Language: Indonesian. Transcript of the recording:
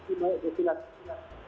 karena di sini ada